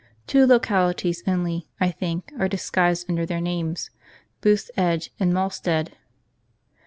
Two localities only, I think, are disguised under their names — Booth's Edge and Matstead.